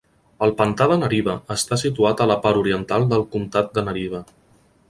El pantà de Nariva està situat a la part oriental del comtat de Nariva.